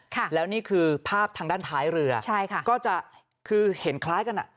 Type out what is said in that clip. ค่ะแล้วนี่คือภาพทางด้านท้ายเรือใช่ค่ะก็จะคือเห็นคล้ายกันอ่ะ